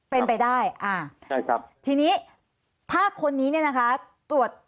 เป็นไปได้ทีนี้ถ้าคนนี้ตรวจ